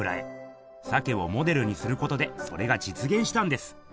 鮭をモデルにすることでそれがじつげんしたんです。